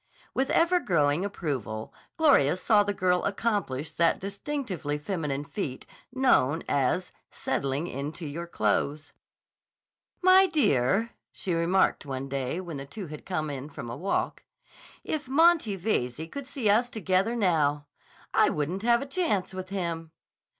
With ever growing approval, Gloria saw the girl accomplish that distinctively feminine feat known as "settling into your clothes." "My dear," she remarked one day when the two had come in from a walk, "if Monty Veyze could see us together now, I wouldn't have a chance with him."